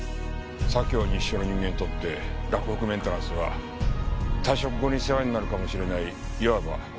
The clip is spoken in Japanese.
左京西署の人間にとって洛北メンテナンスは退職後に世話になるかもしれない言わばお得意先だ。